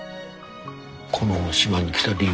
この島に来た理由。